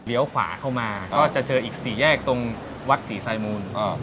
ขวาเข้ามาก็จะเจออีก๔แยกตรงวัดศรีไซมูล